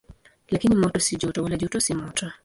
Lakini moto si joto, wala joto si moto.